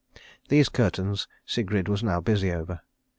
These curtains Sigrid was now busy over.